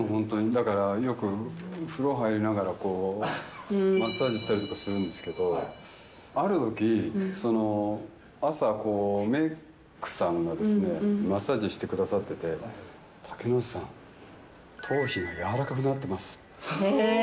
だから、よく風呂入りながら、こう、マッサージしたりとかするんですけど、ある日、朝、こう、メークさんがですね、マッサージしてくださってて、竹野内さん、頭皮が柔らかくなってますって。